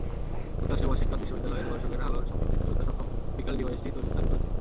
যুক্তরাষ্ট্রের ওয়াশিংটন বিশ্ববিদ্যালয়ের গবেষকেরা আলোর শক্তিতে চলতে সক্ষম অপটিক্যাল ডিভাইসটি তৈরির দাবি করেছেন।